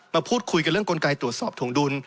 มาพูดคุยกันเรื่องกลไกตรวจสอบถวงดุล